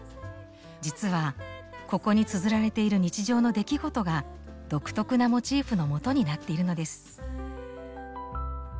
実はここにつづられている日常の出来事が独特なモチーフのもとになっているのです。